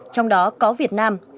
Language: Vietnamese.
trong đó có việt nam